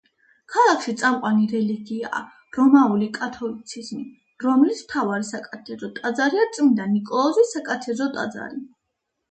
ქალაქში წამყვანი რელიგიაა რომაული კათოლიციზმი, რომლის მთავარი საკათედრო ტაძარია წმინდა ნიკოლოზის საკათედრო ტაძარი.